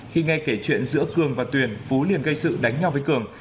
khi nghe kể chuyện giữa cường và tuyền phú liền gây sự đánh nhau với cường